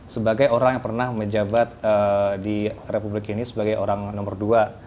sebagai orang yang pernah menjabat di republik ini sebagai orang nomor dua